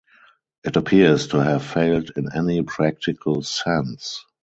It appears to have failed in any practical sense.